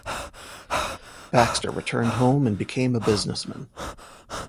Baxter returned home and became a businessman.